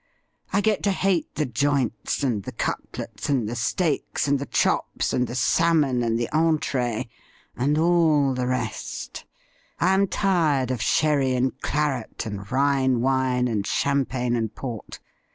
I get to hate the joints and the cutlets, and the steaks and the chops, and the salmon and the entrees, and all the rest. I am tired of sherry and claret, and Rhine wine and champagne and port.